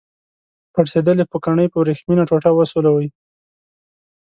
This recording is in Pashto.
پړسیدلې پوکڼۍ په وریښمینه ټوټه وسولوئ.